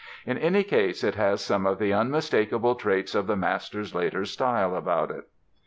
In any case it has some of the unmistakable traits of the master's later style about it.